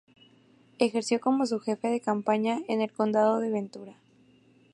Ejerció como su jefe de campaña en el condado de Ventura.